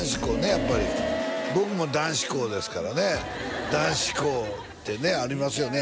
やっぱり僕も男子校ですからね男子校ってねありますよね